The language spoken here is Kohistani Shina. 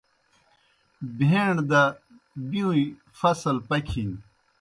بھہیݨ دہ بِیؤݩئے فصل پکِھن۔